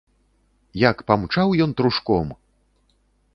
Як памчаў ён трушком!